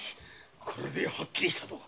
これではっきりしたぞ。